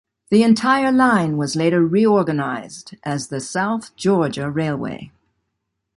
The entire line was later reorganized as the South Georgia Railway.